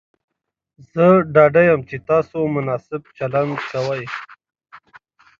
زه ډاډه یم چې تاسو مناسب چلند کوئ.